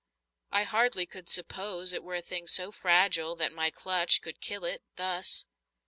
I hardly could suppose It were a thing so fragile that my clutch Could kill it, thus.